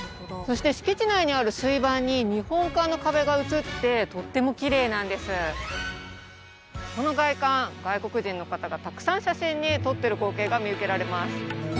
そして敷地内にある水盤に日本館の壁が映ってとってもきれいなんですこの外観外国人の方がたくさん写真に撮ってる光景が見受けられます